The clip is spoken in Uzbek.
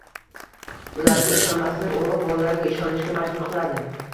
ularga ishonmaslik o‘g‘il bolalarga ishonishga majbur qiladi.